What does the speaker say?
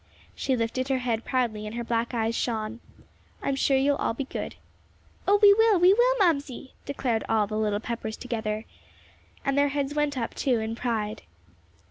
She lifted her head proudly and her black eyes shone. "I'm sure you'll all be good." "Oh, we will, we will, Mamsie," declared all the little Peppers together. And their heads went up, too, in pride.